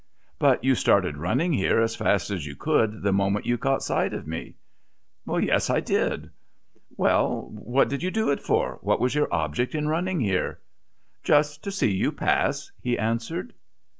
"But you started running here as fast as you could the moment you caught sight of me." "Yes, I did." "Well, what did you do it for what was your object in running here?" "Just to see you pass," he answered.